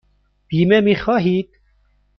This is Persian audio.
بیمه می خواهید؟